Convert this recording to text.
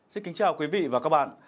xin kính chào quý vị và các bạn